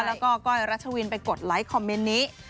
แล้วก็ก้อยรัชวินไปกดไลค์คอมเมนต์นี้